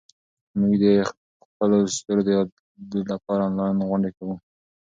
موږ د خپلو ستورو د یاد لپاره انلاین غونډې کوو.